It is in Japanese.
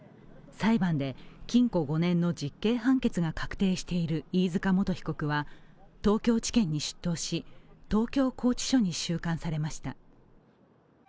裁判で禁錮５年の実刑判決が確定している飯塚元被告は東京地検に出頭し、東京拘置所に収監されました。